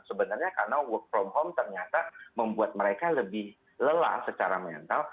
sebenarnya karena work from home ternyata membuat mereka lebih lelah secara mental